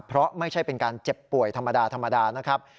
เพราะไม่ใช่เป็นการเจ็บป่วยธรรมดาธรรมดานะครับ